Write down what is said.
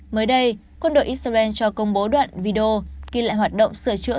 mới đây quân đội israel cho công bố đoạn video ghi lại hoạt động sửa chữa